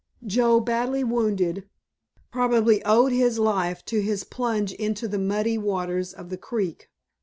Joe, badly wounded, probably owed his life to his plunge into the muddy waters of the creek.